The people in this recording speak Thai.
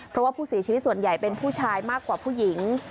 เพราะว่าผู้เสียชีวิตส่วนใหญ่เป็นผู้ชายมากกว่าผู้หญิง